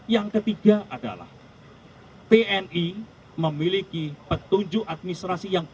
yang ketiga adalah tni memiliki kompetensi yang sangat tinggi